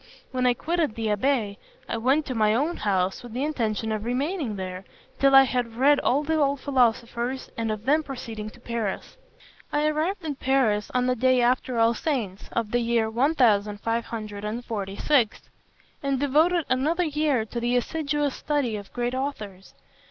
When I quitted the abbé, I went to my own house with the intention of remaining there, till I had read all the old philosophers, and of then proceeding to Paris. "I arrived in Paris on the day after All Saints, of the year 1546, and devoted another year to the assiduous study of great authors.